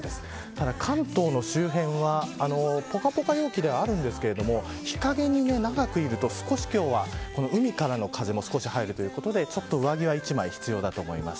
ただ関東の周辺はぽかぽか陽気ではあるんですけれども日陰に長くいると少し今日は海からの風も入るということで上着は１枚必要だと思います。